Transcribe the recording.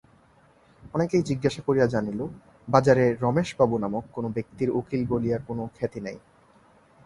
অনেককেই জিজ্ঞাসা করিয়া জানিল, বাজারে রমেশবাবু-নামক কোনো ব্যক্তির উকিল বলিয়া কোনো খ্যাতি নাই।